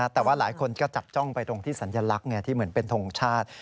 แต่ว่าหลายคนก็จับจ้องไปตรงที่สัญลักษณ์ที่เหมือนเป็นทงชาติ